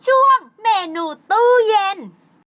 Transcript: ช่วงเมนูตู้เย็น